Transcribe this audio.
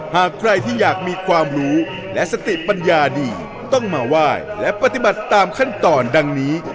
หากใครที่อยากมีความรู้และสติปัญญาดีต้องมาไหว้และปฏิบัติตามขั้นตอนดังนี้